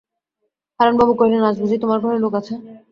হারানবাবু কহিলেন, আজ বুঝি তোমার ঘরে লোক আছে?